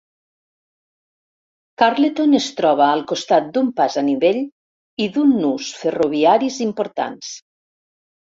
Carleton es troba al costat d'un pas a nivell i d'un nus ferroviaris importants.